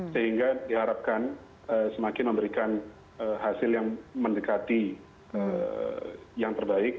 sehingga diharapkan semakin memberikan hasil yang mendekati yang terbaik